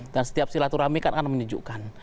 dan setiap silaturahmi kan akan menunjukkan